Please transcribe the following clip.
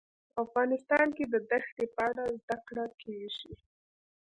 افغانستان کې د دښتې په اړه زده کړه کېږي.